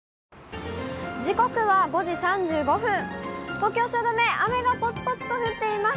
東京・汐留、雨がぽつぽつと降っています。